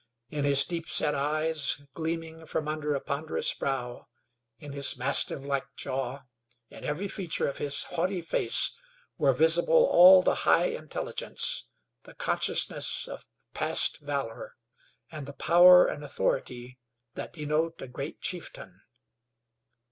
In his deep set eyes, gleaming from under a ponderous brow; in his mastiff like jaw; in every feature of his haughty face were visible all the high intelligence, the consciousness of past valor, and the power and authority that denote a great chieftain.